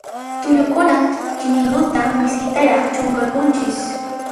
Tullukunaq chinillunta misk'itaraq ch'unqarqunchis.